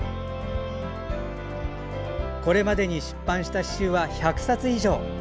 これまでに出版した詩集は１００冊以上。